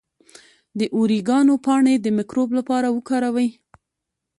د اوریګانو پاڼې د مکروب لپاره وکاروئ